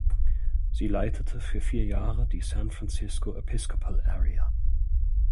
Sie leitete für vier Jahre die "San Francisco Episcopal Area".